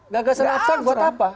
gagasan abstract buat apa